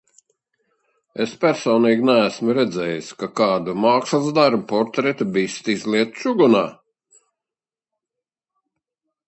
Es personīgi neesmu redzējis, ka kādu mākslas darbu, portretu, bisti, izlietu čugunā.